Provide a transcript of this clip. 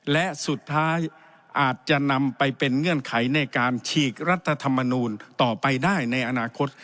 และสุดท้ายอาจจะนำไปเป็นเงื่อนไขในการฉีกรัฐธรรมนูลต่อไปได้ในอนาคต